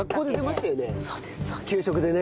給食でね。